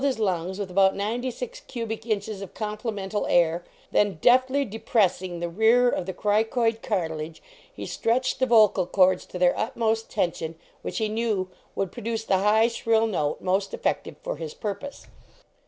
his lungs with about ninety six cubic inches of complemental air, then, deftly depressing the rear of the cricoid cartilage he stretched the vocal cords to their utmost tension, which he knew would produce the high, shrill note most effective for his purpose.